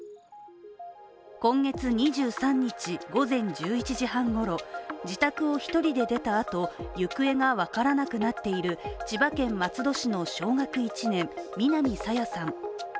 今月２３日、午前１１時半ごろ自宅を１人で出たあと行方が分からなくなっている千葉県松戸市の小学１年、南朝芽さん。